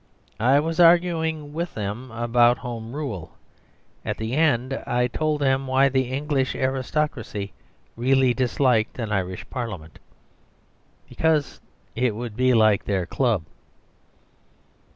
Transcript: I was arguing with them about Home Rule; at the end I told them why the English aristocracy really disliked an Irish Parliament; because it would be like their club.